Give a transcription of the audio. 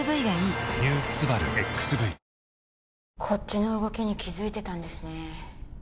こっちの動きに気づいてたんですね